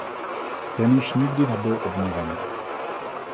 Ten již nikdy nebyl obnoven.